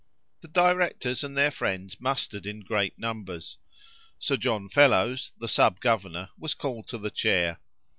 The directors and their friends mustered in great numbers. Sir John Fellowes, the sub governor, was called to the chair.